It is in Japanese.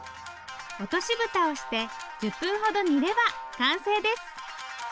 落とし蓋をして１０分ほど煮れば完成です。